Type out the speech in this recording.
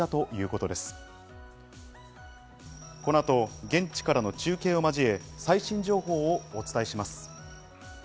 この後、現地からの中継を交え、最新情報をお伝えします。